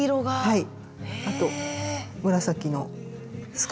はい。